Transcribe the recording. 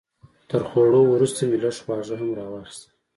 تر خوړو وروسته مې لږ خواږه هم راواخیستل.